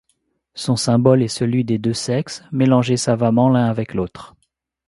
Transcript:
Son symbole est celui des deux sexes mélangés savamment l'un avec l'autre.